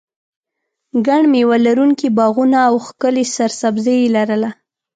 ګڼ مېوه لرونکي باغونه او ښکلې سرسبزي یې لرله.